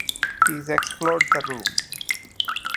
He explored the room.